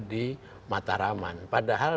di mataraman padahal